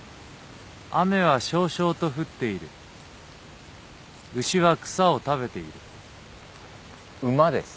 「雨は蕭々と降ってゐる」「牛は草を食べてゐる」馬です。